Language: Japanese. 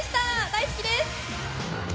大好きです。